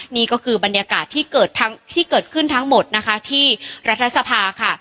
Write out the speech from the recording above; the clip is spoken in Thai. นี่ก็คือบรรยากาศที่เกิดขึ้นทั้งหมดนะคะที่รัฐสภาค่ะ